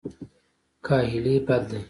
کاهلي بد دی.